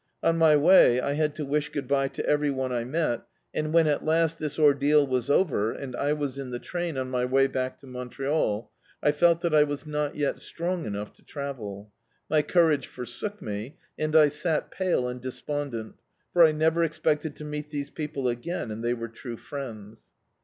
On my way I had to wish good bye to every <xk I met, and when, at last, this ordeal was over, and I was in the train on my way back to Montreal, I felt that I was not yet strcMig enough to travel; my courage forsook me, and I sat pale and despondent, for I never expected to meet these people again, and they were true friends.